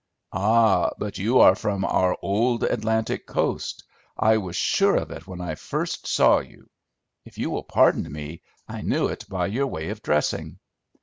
"Ah, but you are from our old Atlantic coast. I was sure of it when I first saw you. If you will pardon me, I knew it by your way of dressing."